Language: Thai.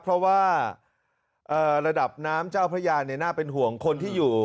เพราะว่าระดับน้ำเจ้าพระยาน่าเป็นห่วงคนที่อยู่